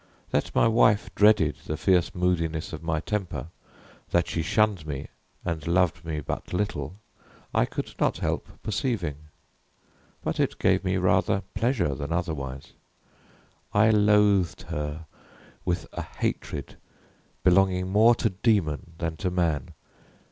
That my wife dreaded the fierce moodiness of my temper that she shunned me, and loved me but little I could not help perceiving; but it gave me rather pleasure than otherwise. I loathed her with a hatred belonging more to demon than to man.